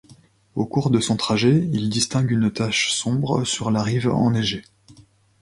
Au cours de son trajet, il distingue une tache sombre sur la rive enneigée.